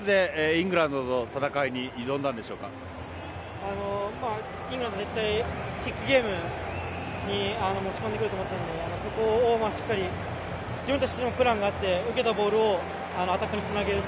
イングランドは絶対キックゲームに持ち込んでくると思ったのでそこをしっかり、自分たちにもプランがあって受けたボールをアタックにつなげる。